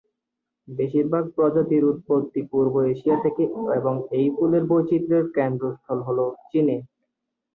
বেশিরভাগ প্রজাতির উৎপত্তি পূর্ব এশিয়া থেকে এবং এই ফুলের বৈচিত্র্যের কেন্দ্রস্থল হল চিনে।